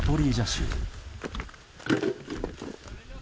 州。